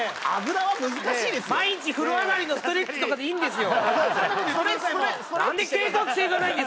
毎日風呂上がりのストレッチとかでいいんですよ